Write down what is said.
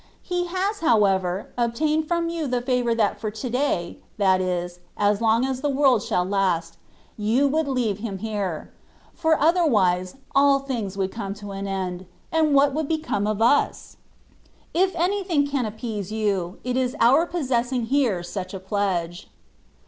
He has, however, obtained from You the favour that for ^^ to day,^^ that is, as long as the world shall last. You would leave Him here : for otherwise, all things would come to an end ; and what would become of us ? n2 180 THE WAY OF PERFECTION. If anything can appease You, it is our possessing here* such a pledge.